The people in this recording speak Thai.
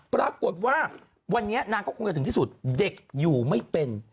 ปรากฏว่าวันนี้นางก็คงจะถึงที่สุดเด็กอยู่ไม่เป็น